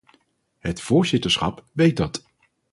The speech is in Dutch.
Het voorzitterschap weet dat.